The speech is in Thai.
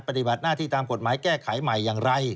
ปฏิบัติหน้าที่ตามกฎหมายแก้ไขใหม่อย่างไร